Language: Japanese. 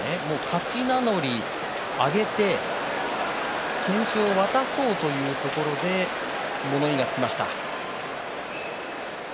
勝ち名乗り上げて懸賞を渡そうというところで物言いがつきました。